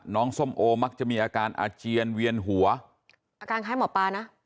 ส้มโอมักจะมีอาการอาเจียนเวียนหัวอาการคล้ายหมอปลานะ